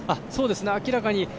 そうですね、明らかに。